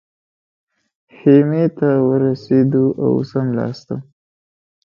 خیمې ته ورسېدو او څملاستم.